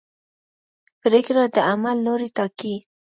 پرېکړه د عمل لوری ټاکي.